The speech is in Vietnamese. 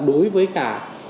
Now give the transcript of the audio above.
đối với cả